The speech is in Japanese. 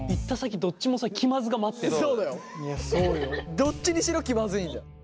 どっちにしろ気まずいんだよ。